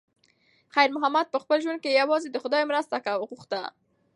خیر محمد په خپل ژوند کې یوازې د خدای مرسته غوښته.